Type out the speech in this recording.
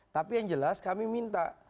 tapi yang jelas kami minta